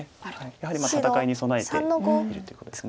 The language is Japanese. やはり戦いに備えているということです。